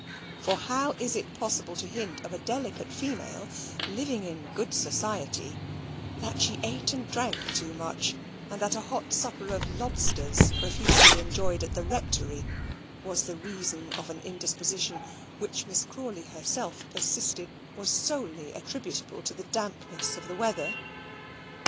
For how is it possible to hint of a delicate female, living in good society, that she ate and drank too much, and that a hot supper of lobsters profusely enjoyed at the Rectory was the reason of an indisposition which Miss Crawley herself persisted was solely attributable to the dampness of the weather?